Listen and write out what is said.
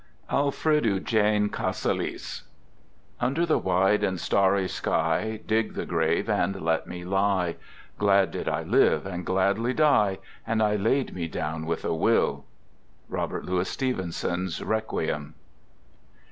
ALFRED EUGENE CASALIS Under the wide and starry sky, Dig the grave and let me lie. Glad did I live and gladly die, And I laid me down with a will. — Robert Louis Stevenson's "Requiem."